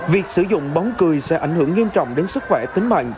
việc sử dụng bóng cười sẽ ảnh hưởng nghiêm trọng đến sức khỏe tính mạng